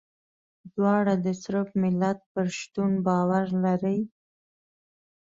دواړه د صرب ملت پر شتون باور لري.